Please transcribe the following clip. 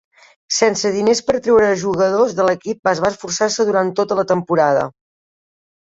Sense diners per atreure jugadors, l'equip va esforçar-se durant tota la temporada.